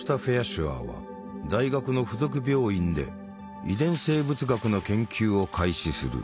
シュアーは大学の付属病院で遺伝生物学の研究を開始する。